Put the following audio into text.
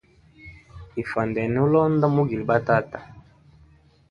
Ifwandene ulonda mugile batata.